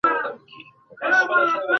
د ملکیار شعر په دریو عمده برخو وېشل کېږي.